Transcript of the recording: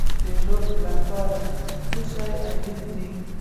د روح لپاره څه شی اړین دی؟